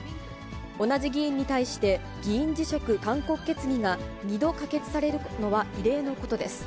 同じ議員に対して、議員辞職勧告決議が２度可決されるのは異例のことです。